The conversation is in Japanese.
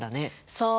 そう。